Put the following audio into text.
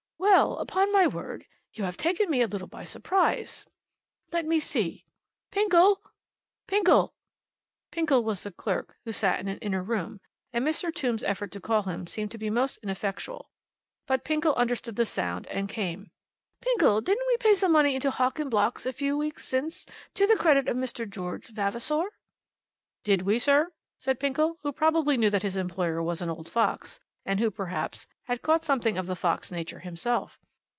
"Well, upon my word, you've taken me a little by surprise. Let me see. Pinkle, Pinkle." Pinkle was a clerk who sat in an inner room, and Mr. Tombe's effort to call him seemed to be most ineffectual. But Pinkle understood the sound, and came. "Pinkle, didn't we pay some money into Hock and Block's a few weeks since, to the credit of Mr. George Vavasor?" "Did we, sir?" said Pinkle, who probably knew that his employer was an old fox, and who, perhaps, had caught something of the fox nature himself.